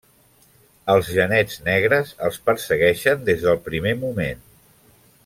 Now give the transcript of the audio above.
Els Genets Negres els persegueixen des del primer moment.